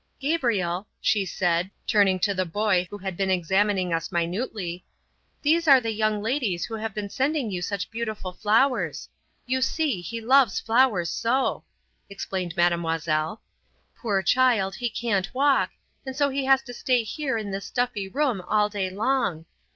"Gabriel," she said, turning to the boy who had been examining us minutely, "these are the young ladies who have been sending you such beautiful flowers. You see, he loves flowers so!" explained Mademoiselle. "Poor child, he cannot walk, and so he has to stay here in this stuffy room all day long.